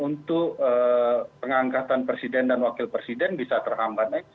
untuk pengangkatan presiden dan wakil presiden bisa terhambat